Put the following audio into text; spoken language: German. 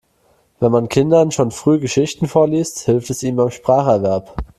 Wenn man Kindern schon früh Geschichten vorliest, hilft es ihnen beim Spracherwerb.